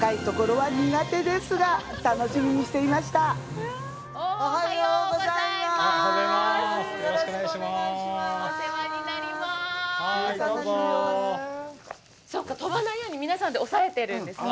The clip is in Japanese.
はいどうぞ飛ばないように皆さんでおさえてるんですか？